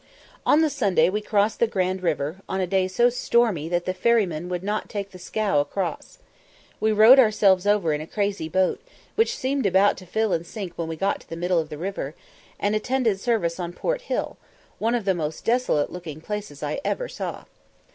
On the Sunday we crossed the Grand River, on a day so stormy that the ferryman would not take the "scow" across. We rowed ourselves over in a crazy boat, which seemed about to fill and sink when we got to the middle of the river, and attended service at Port Hill, one of the most desolate looking places I ever saw.